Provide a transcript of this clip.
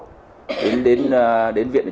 đến viện thì chúng tôi không còn